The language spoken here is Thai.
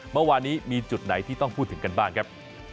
เมื่อวานนี้มีจุดไหนที่ต้องพูดถึงกันบ้างครับ